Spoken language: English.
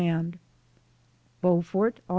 BEAUFORT, Aug.